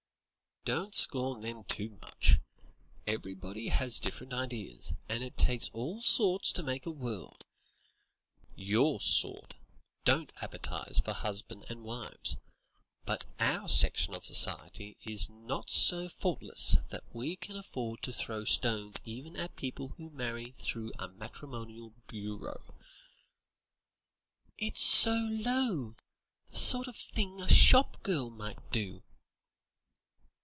"Don't scorn them too much. Everybody has different ideals, and it takes all sorts to make a world. Your sort don't advertise for husbands and wives, but our section of society is not so faultless that we can afford to throw stones even at people who marry through a matrimonial bureau." "It's so low. The sort of thing a shop girl might do."